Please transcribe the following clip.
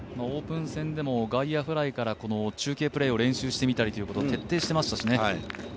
オープン戦でも外野フライから中継プレイを練習したりというのを徹底していましたしね。